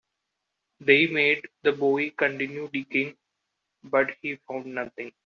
They made the boy continue digging, but he found nothing.